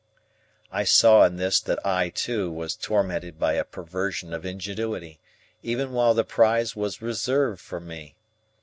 I saw in this that I, too, was tormented by a perversion of ingenuity, even while the prize was reserved for me.